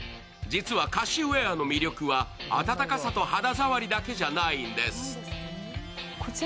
実は、ｋａｓｈｗｅｒｅの魅力は暖かさと肌触りだけじゃないんです。